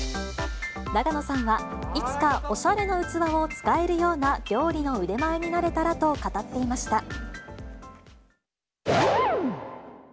永野さんはいつかおしゃれな器を使えるような料理の腕前になれたらと語っていました。